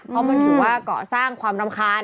เพราะมันถือว่าเกาะสร้างความรำคาญ